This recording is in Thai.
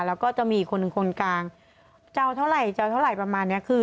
แล้วก็จะมีอีกคนหนึ่งคนกลางจะเอาเท่าไหร่จะเอาเท่าไหร่ประมาณเนี้ยคือ